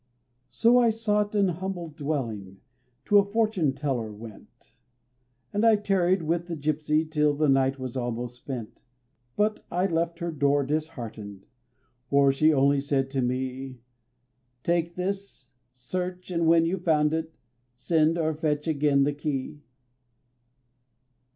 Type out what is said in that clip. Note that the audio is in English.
So I sought an humble dwelling, to a fortune teller went, And I tarried with the gipsy till the night was almost spent, But I left her door disheartened; for she only said to me: "Take this, search, and when you've found it, send or fetch again the key."